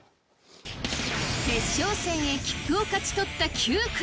決勝戦へ切符を勝ち取った９組！